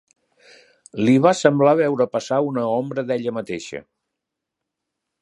Li va semblar veure passar una ombra d'ella mateixa